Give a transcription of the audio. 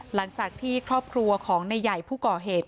หลังจากที่ครอบครัวของนายใหญ่ผู้ก่อเหตุ